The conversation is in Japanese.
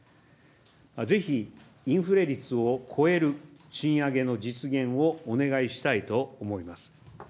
ぜひ、インフレ率を超える賃上げの実現を、お願いしたいと思います。